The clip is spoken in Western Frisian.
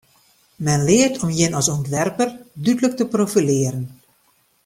Men leart om jin as ûntwerper dúdlik te profilearjen.